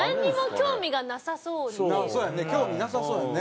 興味なさそうやんね。